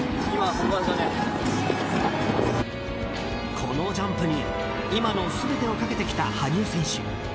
このジャンプに今の全てをかけてきた羽生選手。